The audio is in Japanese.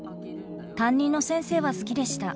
担任の先生は好きでした。